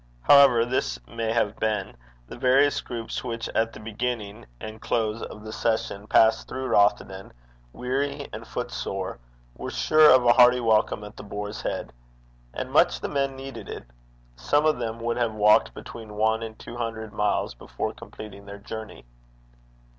However this may have been, the various groups which at the beginning and close of the session passed through Rothieden weary and footsore, were sure of a hearty welcome at The Boar's Head. And much the men needed it. Some of them would have walked between one and two hundred miles before completing their journey.